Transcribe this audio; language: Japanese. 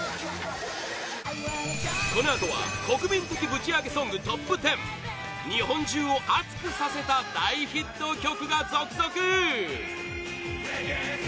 このあとは、国民的ぶちアゲソングトップ１０日本中を熱くさせた大ヒット曲が続々！